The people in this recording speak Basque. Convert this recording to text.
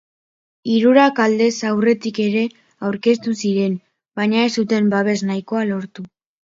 Hirurak aldez aurretik ere aurkeztu ziren, baina ez zuten babes nahikoa lortu.